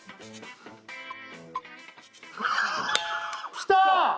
きた！